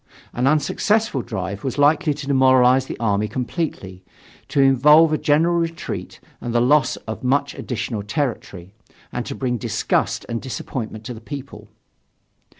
An unsuccessful drive was likely to demoralize the army completely, to involve a general retreat and the loss of much additional territory, and to bring disgust and disappointment to the people.